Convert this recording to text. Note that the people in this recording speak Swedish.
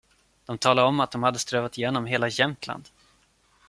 De talade om att de hade strövat igenom hela Jämtland.